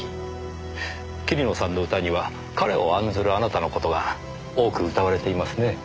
桐野さんの歌には彼を案ずるあなたの事が多く歌われていますね。